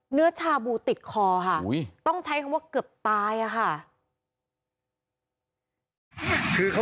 เนื้อชาบูติดคอค่ะต้องใช้คำว่าเกือบตายอะค่ะ